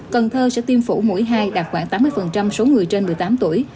cần thơ sẽ tiêm phủ mũi hai đạt khoảng tám mươi số người trên một mươi tám tuổi